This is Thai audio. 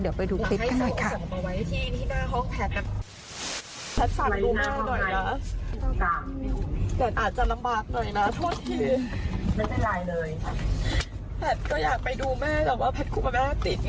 เดี๋ยวไปดูคลิปกันหน่อยค่ะ